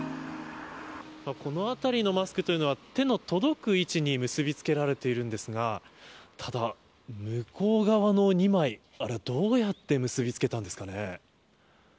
このあたりのマスクというのは手の届く位置に結びつけられているんですがただ、向こう側の２枚あれはどうやって結びつけたんですかね。